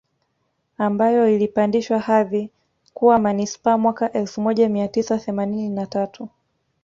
Ambayo ilipandishwa hadhi kuwa Manispaa mwaka elfu moja mia tisa themanini na tatu